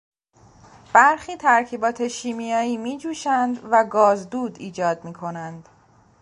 برخی ترکیبات شیمیایی میجوشند و گازدود ایجاد میکنند.